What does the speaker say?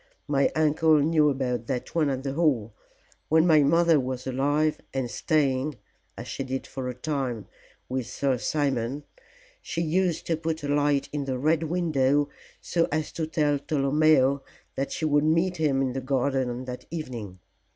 My uncle knew about that one at the Hall. When my mother was alive, and staying as she did for a time with Sir Simon, she used to put a light in the Red Window so as to tell Tolomeo that she would meet him in the garden on that evening.